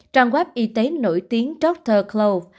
trang web y tế nổi tiếng dr claude